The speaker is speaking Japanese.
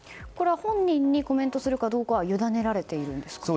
本人にコメントするかどうかは委ねられているんですか？